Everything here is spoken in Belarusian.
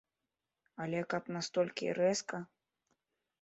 Але каб настолькі рэзка?